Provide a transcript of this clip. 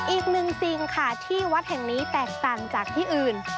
อีกหนึ่งสิ่งค่ะที่วัดแห่งนี้แตกต่างจากที่อื่น